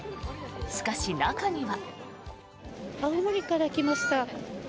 しかし、中には。